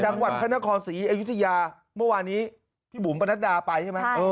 จังหวัดพนธครสีอยุธิยาวันนี้พี่บุ๋มบรรณดาไปใช่ไหม